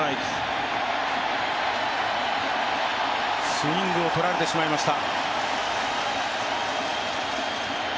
スイングをとられてしまいました。